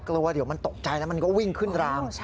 กลัวเดี๋ยวมันตกใจแล้วมันก็วิ่งขึ้นราง